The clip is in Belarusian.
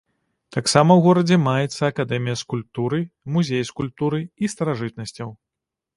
Таксама ў горадзе маецца акадэмія скульптуры, музей скульптуры і старажытнасцяў.